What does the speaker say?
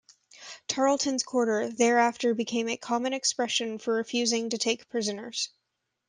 "Tarleton's quarter", thereafter became a common expression for refusing to take prisoners.